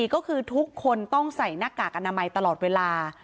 ก็คือทุกคนต้องใส่หน้ากากอนามัยตลอดเวลา